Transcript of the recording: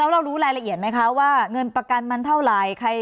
เรารู้รายละเอียดไหมคะว่าเงินประกันมันเท่าไหร่